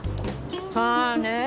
さあねえ。